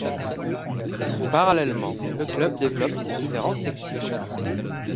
Parallèlement, le club développe ses différentes sections.